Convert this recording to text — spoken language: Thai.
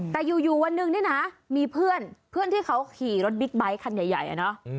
แต่อยู่วันหนึ่งนี่นะมีเพื่อนเพื่อนที่เขาขี่รถบิ๊กไบท์คันใหญ่อะเนาะ